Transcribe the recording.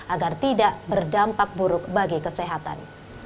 agar tidak berdampak buruk bagi kesehatan